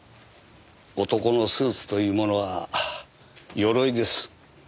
男のスーツというものは鎧です。